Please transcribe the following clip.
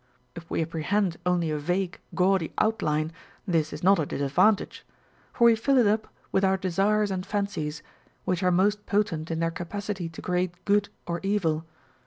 If we apprehend only a vague gaudy outline, this is not a disadvantage ; for we fill it up with our desires and fancies, which are most potent in their capacity to create good or evil.